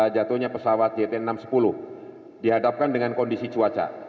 jatuhnya pesawat jt enam ratus sepuluh dihadapkan dengan kondisi cuaca